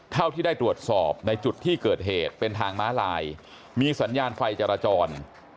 เท่าที่ได้ตรวจสอบในจุดที่เกิดเหตุเป็นทางม้าลายมีสัญญาณไฟจราจร